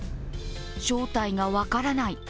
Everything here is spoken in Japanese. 正体が分からない。